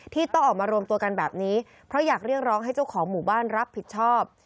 ที่ต้องออกมารวมตัวกันแบบนี้เพราะอยากเรียกร้องให้เจ้าของหมู่บ้านรับผิดชอบ